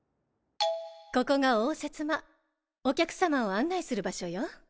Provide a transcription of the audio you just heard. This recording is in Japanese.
ここが応接間お客さまを案内する場所よ。